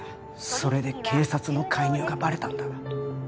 それで警察の介入がバレたんだ